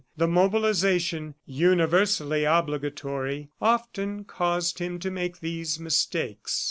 The mobilization, universally obligatory, often caused him to make these mistakes.